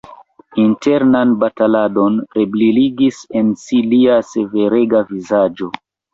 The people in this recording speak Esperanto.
Internan bataladon rebriligis en si lia severega vizaĝo.